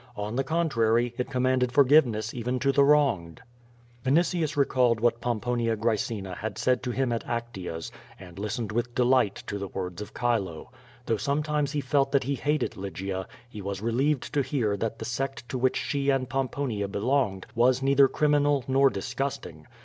On the contrary, it commanded forgiveness even to the wronged. Vinitius recalled what Pomponia Graecina had said to him at Actea^s, and listened with delight to the words of Chilo. Though sometimes he felt that he hated Lygia, he was re lieved to hear that the sect to which she and Pomponia be longed was neither criminal nor disgusting.